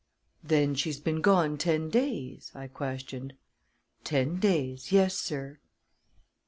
"Then she's been gone ten days?" I questioned. "Ten days; yes, sir."